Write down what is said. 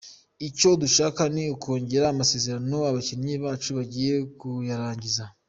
Icyo dushaka ni ukongerera amasezerano abakinnyi bacu bagiye kuyarangiza”.